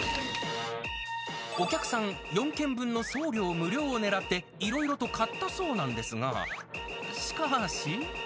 お客さん、４軒分の送料無料をねらっていろいろと買ったそうなんですが、しかーし。